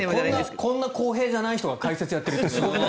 こんな公平じゃない人が解説をやっている。